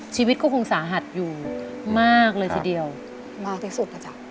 ชีวิตก็คงสาหัสอยู่มากเลยทีเดียวมากที่สุดนะจ๊ะ